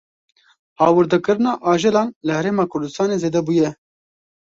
Hawirdekirina ajelan li Herêma Kurdistanê zêde bûye.